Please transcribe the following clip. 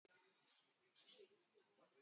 No decision has been returned yet.